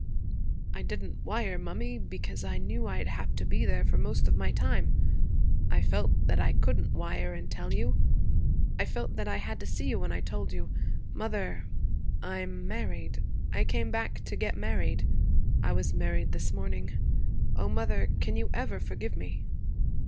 'I didn't wire, mummy, because I knew I'd have to be there for most of my time. I felt that I couldn't wire and tell you. I felt that I had to see you when I told you. Mother I'm married. I came back to get married. I was married this morning. O mother, can you ever forgive me?'